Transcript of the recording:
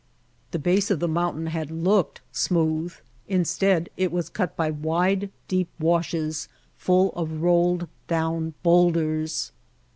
The base of the mountain had looked smooth, instead it was cut by wide, deep washes full rolled down boulders.